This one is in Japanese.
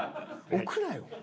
置くなよ。